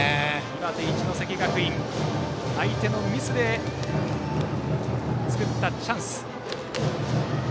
岩手・一関学院相手のミスで作ったチャンス。